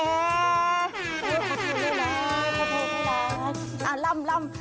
โอ๊ยขอโทษได้หลาย